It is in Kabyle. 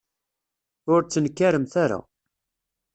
Ur ttnekkaremt ara.